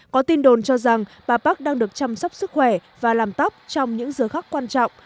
có tin đồn cho rằng bà park đang được chăm sóc sức khỏe và làm tóc trong những giờ khắc quan trọng